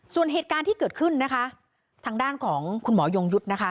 ส่วนเหตุการณ์ที่เกิดขึ้นนะคะทางด้านของคุณหมอยงยุทธ์นะคะ